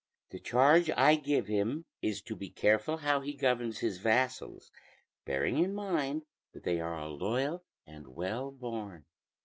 The charge I give him is, to be careful how he governs his vassals, bearing in mind that they are all loyal and well born."